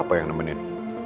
apa yang nemenin